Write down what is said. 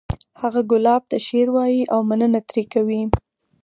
هغه ګلاب ته شعر وایی او مننه ترې کوي